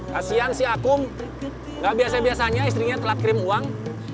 kasian si akum gak biasa biasanya istrinya telat kirim uang